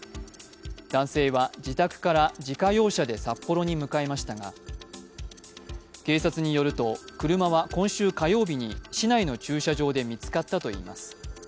男性は自宅から自家用車で札幌に向かいましたが警察によると、車は今週火曜日に市内の駐車場で見つかったといいます。